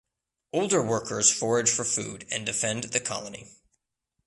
Older workers forage for food and defend the colony.